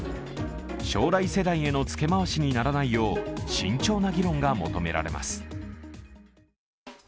将来世代へのつけ回しにならないよう、慎重な議論が求められます。